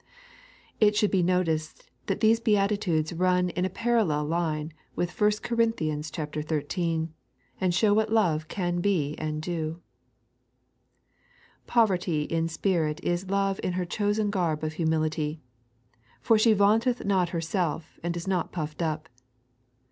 It should be noticed that these Beatitudes run in a parallel line with 1 Cor. ziii., and show what Love can be and do. Poverty in spirit is Love in her chosen garb of humility, for she vannteth not herself, and is not puffed up.